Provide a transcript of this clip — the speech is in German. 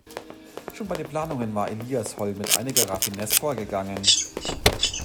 Schon bei den Planungen war Elias Holl mit einiger Raffinesse vorgegangen.